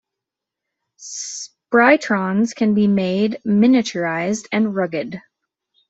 Sprytrons can be made miniaturized and rugged.